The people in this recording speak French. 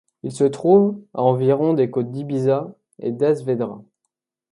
Il se trouve à environ des côtes d'Ibiza et à d'Es Vedrà.